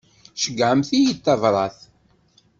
Ceyyɛemt-iyi-d tabrat.